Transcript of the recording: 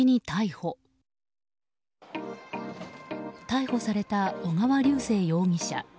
逮捕された小川龍生容疑者。